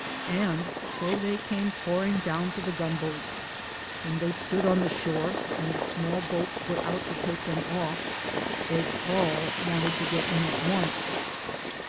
And so they came pouring down to the gun boats. When they stood on the shore, and the small boats put out to take them off, they all wanted to get in at once.